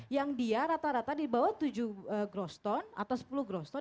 yang dia rata rata di bawah tujuh groston atau sepuluh groston